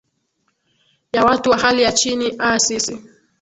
ya watu wa hali ya chini aa sisi